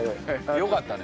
よかったね。